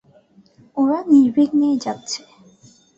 ওরা নির্বিঘ্নেই যাচ্ছে।